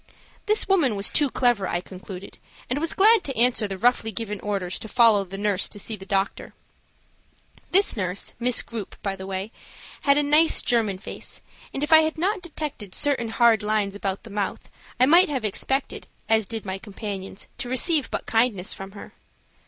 This woman was too clever, I concluded, and was glad to answer the roughly given orders to follow the nurse to see the doctor. This nurse, Miss Grupe, by the way, had a nice German face, and if I had not detected certain hard lines about the mouth I might have expected, as did my companions, to receive but kindness from her.